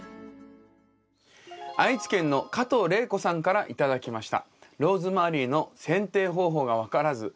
愛知県の加藤玲子さんから頂きました。